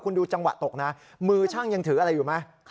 คุณดูจังหวะตกนะมือช่างยังถืออะไรอยู่ไหม